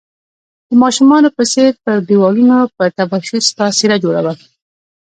د ماشومانو په څير پر ديوالونو په تباشير ستا څيره جوړول